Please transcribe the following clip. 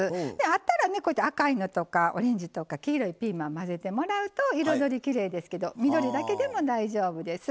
あったら赤いのとかオレンジとか黄色いピーマンまぜてもらうと彩りきれいですけど緑だけでも大丈夫です。